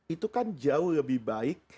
itu kan jauh lebih baik